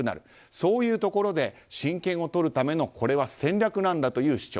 そういうところで親権をとるためのこれは戦略なんだという主張。